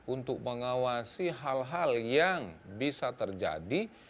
untuk mengawasi hal hal yang bisa terjadi